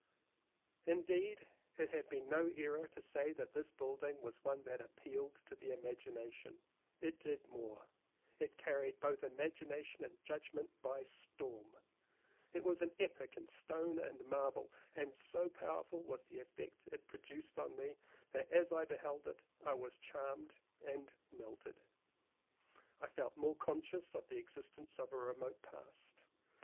Indeed it had been no error to say that this building was one that appealed to the imagination; it did more—it carried both imagination and judgement by storm. It was an epic in stone and marble, and so powerful was the effect it produced on me, that as I beheld it I was charmed and melted. I felt more conscious of the existence of a remote past.